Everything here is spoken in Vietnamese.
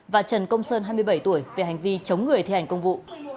và trần công sơn hai mươi bảy tuổi về hành vi chống người thi hành công vụ